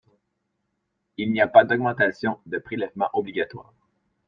Il n’y a pas d’augmentation de prélèvement obligatoire.